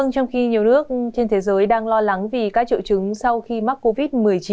trong khi nhiều nước trên thế giới đang lo lắng vì các triệu chứng sau khi mắc covid một mươi chín